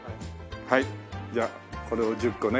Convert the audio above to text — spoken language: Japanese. はいじゃあこれを１０個ね。